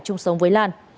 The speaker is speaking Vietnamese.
chung sống với lan